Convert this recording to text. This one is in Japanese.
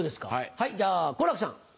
はいじゃあ好楽さん。